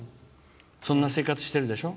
そんな生活してるでしょ？